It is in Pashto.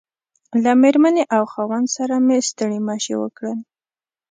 له مېرمنې او خاوند سره مې ستړي مشي وکړل.